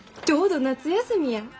ちょうど夏休みや。